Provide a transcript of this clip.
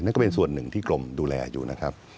ก็เป็นส่วนหนึ่งที่กรมดูแลอยู่นะครับ